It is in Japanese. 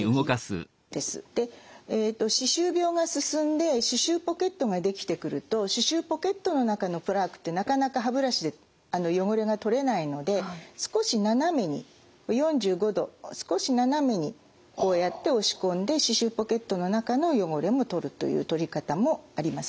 で歯周病が進んで歯周ポケットが出来てくると歯周ポケットの中のプラークってなかなか歯ブラシで汚れが取れないので少し斜めに４５度少し斜めにこうやって押し込んで歯周ポケットの中の汚れも取るという取り方もあります。